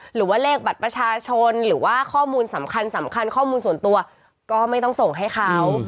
หรือว่าเลขบัตรประชาชนหรือว่าข้อมูลสำคัญสำคัญข้อมูลส่วนตัวก็ไม่ต้องส่งให้เขา